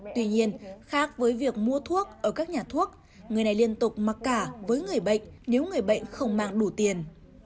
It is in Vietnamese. tuy nhiên khác với việc mua thuốc ở các nhà thuốc người này liên tục mặc cả với người bệnh nếu người bệnh không mang đủ tiền